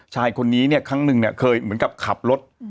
ชายคนนี้เนี่ยครั้งหนึ่งเนี่ยเคยเหมือนกับขับรถ